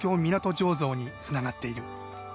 醸造につながっている。